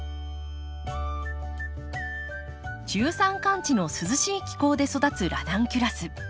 中山間地の涼しい気候で育つラナンキュラス。